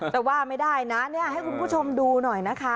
แต่ว่าไม่ได้นะเนี่ยให้คุณผู้ชมดูหน่อยนะคะ